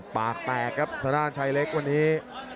ปากแตกครับธนาชัยเล็กวันนี้